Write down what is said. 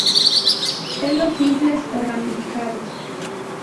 Pelos simples o ramificados.